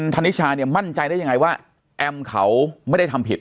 ทันีชามั่นใจได้ยังไงว่าแอมไม่ได้ทำผิด